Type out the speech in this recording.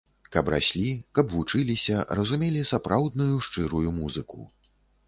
Каб раслі, каб вучыліся, разумелі сапраўдную, шчырую музыку.